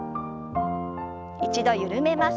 一度緩めます。